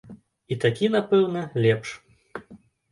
І такі, напэўна, лепш.